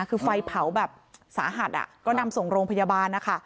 คือไฟเผาแบบสาหัสก็นำส่งโรงพยาบาลนะคะ